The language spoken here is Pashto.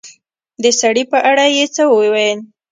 د سړي په اړه يې څه وويل